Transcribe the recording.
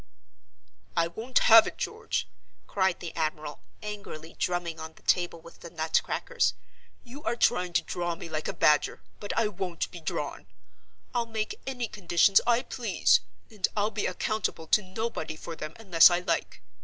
"I won't have it, George!" cried the admiral, angrily drumming on the table with the nutcrackers. "You are trying to draw me like a badger, but I won't be drawn! I'll make any conditions I please; and I'll be accountable to nobody for them unless I like.